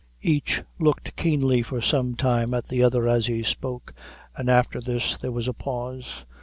Each looked keenly for some time at the other as he spoke, and after this there was a pause.